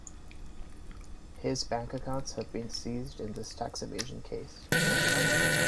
His bank accounts have been seized in this tax evasion case.